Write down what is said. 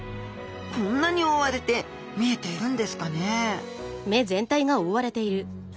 こんなに覆われて見えているんですかね？